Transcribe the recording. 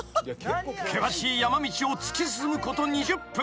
［険しい山道を突き進むこと２０分］